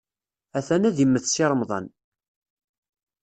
Ha-t-an ad immet Si Remḍan.